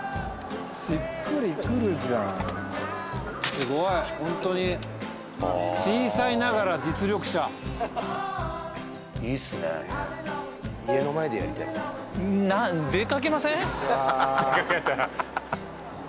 すごいホントに小さいながら実力者いいっすね家の前でやりたい出かけません？